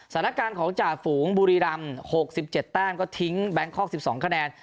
สถานการณ์ของจ่าฝูงบุรีรำ๖๗แต้มก็ทิ้งแบงคอก๑๒คะแนน